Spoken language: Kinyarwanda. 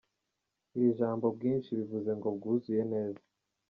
Iri jambo “bwinshi” bivuze ngo bwuzuye neza.